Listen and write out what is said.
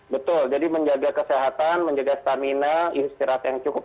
betul jadi menjaga kesehatan menjaga stamina istirahat yang cukup